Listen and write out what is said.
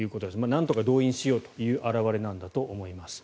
なんとか動員しようという表れなんだと思います。